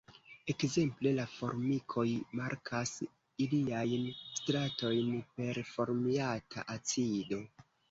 Ekzemple la formikoj markas iliajn „stratojn“ per formiata acido.